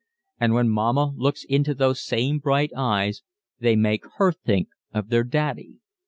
And when mama looks into those same bright eyes they make her think of their daddy.